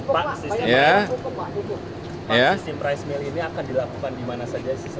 pak sistem price mill ini akan dilakukan di mana saja